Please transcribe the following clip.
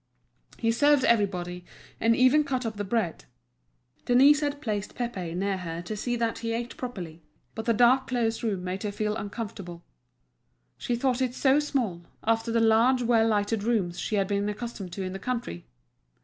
He served everybody, and even cut up the bread. Denise had placed Pépé near her to see that he ate properly. But the dark close room made her feel uncomfortable. She thought it so small, after the large well lighted rooms she had been accustomed to in the country.